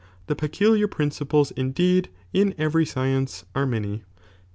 } i The peculiar principles indeed in every science are many, CBU*.